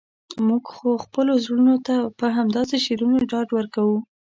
موږ خو خپلو زړونو ته په همداسې شعرونو ډاډ ورکوو.